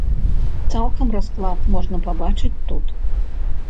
Цалкам расклад можна пабачыць тут.